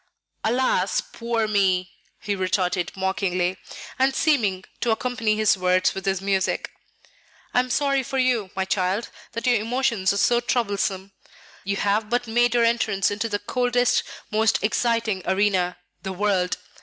"Alas, poor me!" he retorted mockingly, and seeming to accompany his words with his music; "I am sorry for you, my child, that your emotions are so troublesome. You have but made your entrance into the coldest, most exciting arena, the world.